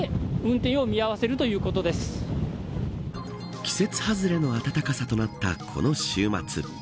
季節外れの暖かさとなったこの週末。